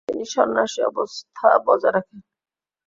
তিনি সন্ন্যাসী অবস্থা বজায় রাখে।